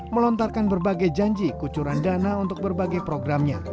melontarkan berbagai janji kucuran dana untuk berbagai programnya